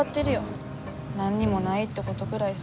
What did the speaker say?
何にもないってことぐらいさ。